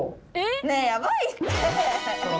ねえヤバいって。